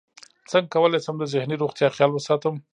څنګه کولی شم د ذهني روغتیا خیال وساتم